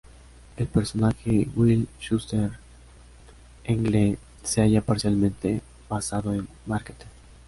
El personaje Will Schuester, en "Glee", se halla parcialmente basado en Marquette.